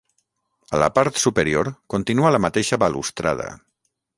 A la part superior continua la mateixa balustrada.